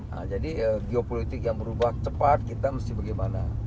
nah jadi geopolitik yang berubah cepat kita mesti bagaimana